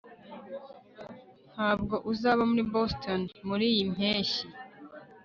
ntabwo uzaba muri boston muriyi mpeshyi